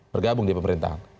bergabung di pemerintahan